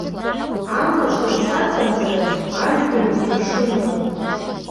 Амацәыс аҵамзар, ажәҩангь мшынхон…